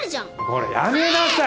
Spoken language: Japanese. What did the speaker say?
こらやめなさい！